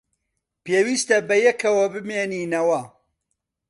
پێویستە بەیەکەوە بمێنینەوە.